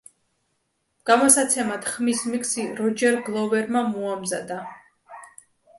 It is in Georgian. გამოსაცემად ხმის მიქსი როჯერ გლოვერმა მოამზადა.